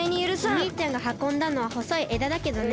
おにいちゃんがはこんだのはほそいえだだけどね。